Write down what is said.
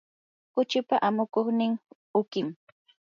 kuchipa amukuqnin uqim.